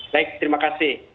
baik terima kasih